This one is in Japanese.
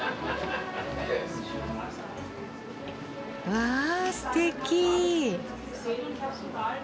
わすてき！